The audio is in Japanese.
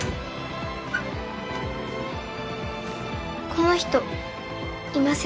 この人いませんか？